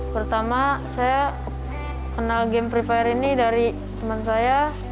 pertama saya kenal game free fire ini dari teman saya